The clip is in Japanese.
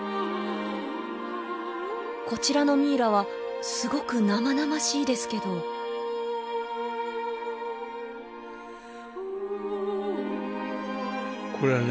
こちらのミイラはすごく生々しいですけどこれはね